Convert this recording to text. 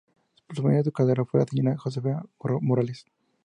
Su primera educadora fue la señora Josefa Morales.